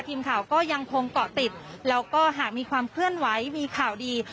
ทีมข่าวก็ยังคงเกาะติดแล้วก็หากมีความเคลื่อนไหวมีข่าวดี